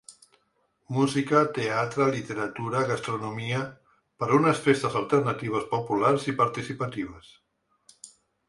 Música, teatre, literatura, gastronomia… Per unes festes alternatives, populars i participatives.